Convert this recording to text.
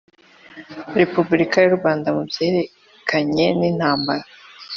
Repubulika yurwanda mu byerekeranye nintambara